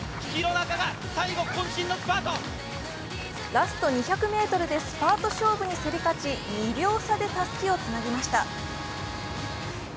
ラスト２００ｍでスパート勝負に競り勝ち、２秒差でたすきをつなぎました。